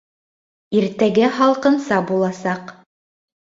Иртәгә һалҡынса буласаҡ